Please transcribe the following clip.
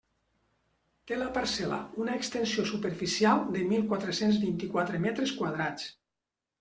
Té la parcel·la una extensió superficial de mil quatre-cents vint-i-quatre metres quadrats.